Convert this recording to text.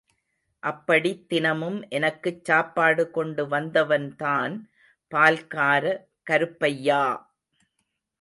அப்படித் தினமும் எனக்குச் சாப்பாடு கொண்டு வந்தவன்தான் பால்கார கருப்பையா!